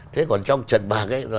thế còn trong trận bạc ấy